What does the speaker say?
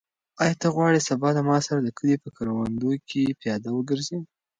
آیا ته غواړې سبا له ما سره د کلي په کروندو کې پیاده وګرځې؟